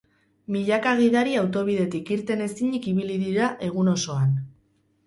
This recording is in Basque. Milaka gidari autobidetik irten ezinik ibili dira egun osoan.